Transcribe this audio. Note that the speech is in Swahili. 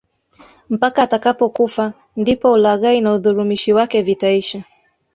Mpaka atakapokufa ndipo ulaghai na udhulumishi wake vitaisha